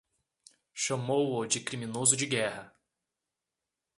Chamou-o de criminoso de guerra